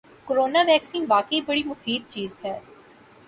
corona vaccine واقعی بڑی مفید چیز ہے